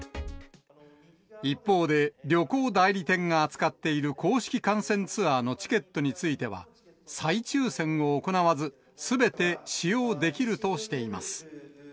一方で、旅行代理店が扱っている公式観戦ツアーのチケットについては、再抽せんを行わず、すべて使用できるとしています。